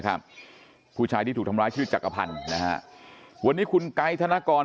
ครับผู้ชายที่ถูกทำร้ายชื่อจักรพันธ์นะฮะวันนี้คุณไกด์ธนกร